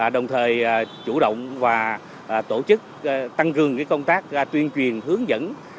đồng thời chủ động và tổ chức tăng cường công tác tuyên truyền hướng dẫn